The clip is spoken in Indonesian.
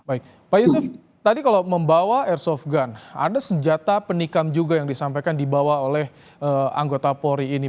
baik pak yusuf tadi kalau membawa airsoft gun ada senjata penikam juga yang disampaikan dibawa oleh anggota polri ini